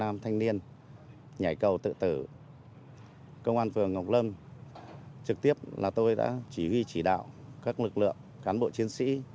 nam thanh niên nhảy cầu tự tử công an phường ngọc lâm trực tiếp là tôi đã chỉ huy chỉ đạo các lực lượng cán bộ chiến sĩ